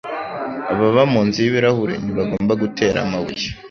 Ababa munzu yibirahure ntibagomba gutera amabuye.